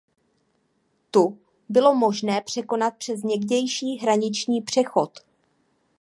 Tu bylo možné překonat přes někdejší hraniční přechod.